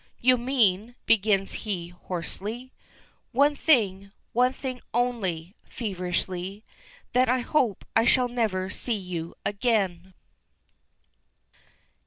"You mean " begins he, hoarsely. "One thing one thing only," feverishly "that I hope I shall never see you again!"